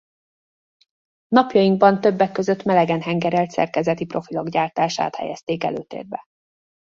Napjainkban többek között melegen hengerelt szerkezeti profilok gyártását helyezték előtérbe.